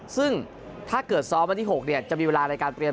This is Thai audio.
ซึ่งถ้าเกิดซ้อมวันที่๖